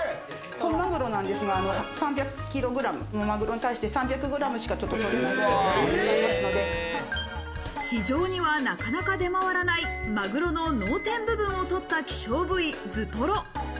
本マグロなんですが、３００ｋｇのマグロに対して３００ｇしか取れない希少部位で市場にはなかなか出回らないマグロの脳天部分を取った希少部位・頭とろ。